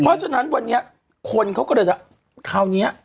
เพราะฉะนั้นวันนี้คนเขาก็เลยจะคราวนี้